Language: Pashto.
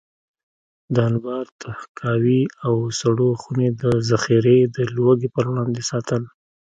د انبار، تحکاوي او سړو خونې ذخیرې د لوږې پر وړاندې ساتل.